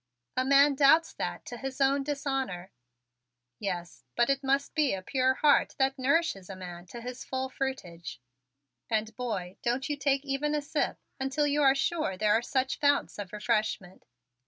"A man doubts that to his own dishonor." "Yes, but it must be a pure heart that nourishes a man to his full fruitage and, boy, don't you take even a sip until you are sure there are such founts of refreshment."